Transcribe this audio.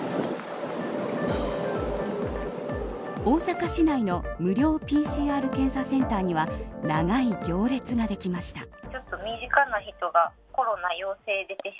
大阪市内の無料ＰＣＲ検査センターには長い行列ができました。